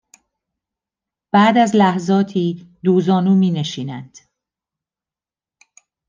بعد از لحظاتی دو زانو می نشینند